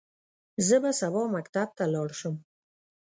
زه به سبا مکتب ته لاړ شم.